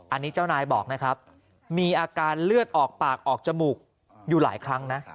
อันนี้เจ้านายบอกนะครับมีอาการเลือดออกปากออกจมูกอยู่หลายครั้งนะ